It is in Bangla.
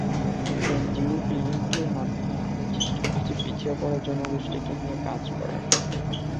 এনজিও ক্লিনিকগুলোর মাধ্যমে আমরা চেষ্টা করছি পিছিয়ে পড়া জনগোষ্ঠীকে নিয়ে কাজ করার।